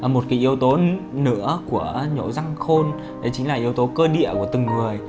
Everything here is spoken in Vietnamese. một cái yếu tố nữa của nhổ răng khôn đấy chính là yếu tố cơ địa của từng người